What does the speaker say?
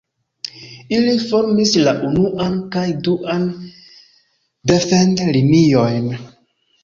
Ili formis la unuan kaj duan defend-liniojn.